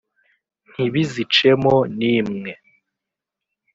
ntibizicemo n’imwe!